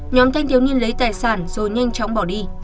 nhóm thanh thiếu niên lấy tài sản rồi nhanh chóng bỏ đi